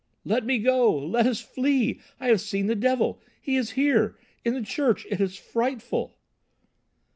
"Let me go! Let us flee! I have seen the devil! He is there! In the church! It is frightful!"